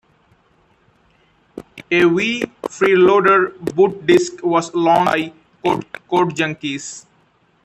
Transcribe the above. A Wii "Freeloader" boot disk was launched by Codejunkies.